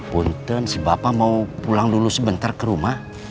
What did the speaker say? punten si bapak mau pulang dulu sebentar ke rumah